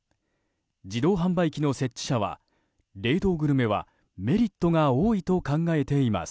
自動販売機の設置者は冷凍グルメはメリットが多いと考えています。